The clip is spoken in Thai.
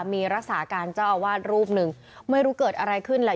มีรักษาการเจ้าอาวาสรูปหนึ่งไม่รู้เกิดอะไรขึ้นแหละ